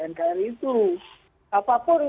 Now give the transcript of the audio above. nkri itu apapun